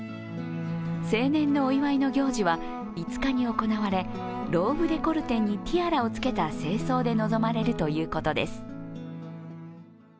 成年のお祝いの行事は５日に行われ、ローブデコルテにティアラをつけた正装で臨まれるということです。